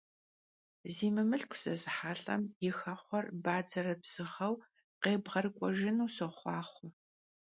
Zi mımılhku zezıhelh'em yi xexhuer badzere dzığueu khêbğerık'uejjınu soxhuaxhue!